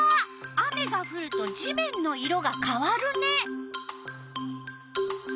雨がふると地面の色がかわるね。